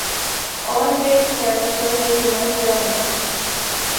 Old red sandstone is most dominant.